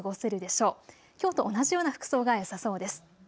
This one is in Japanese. きょうと同じような服装がよさそうです。